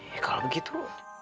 ya kalau begitu